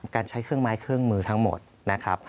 การใช้เครื่องไม้เครื่องมือทั้งหมดนะครับ